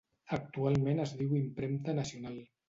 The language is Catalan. Actualment es diu Impremta Nacional.